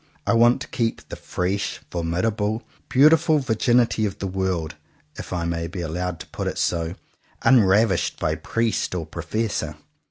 I want to keep the fresh, formidable, beautiful virginity of the world, if I may be allowed to put it so, unravished by priest or professor.